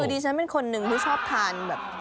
คือดิฉันเป็นคนหนึ่งที่ชอบทานแบบ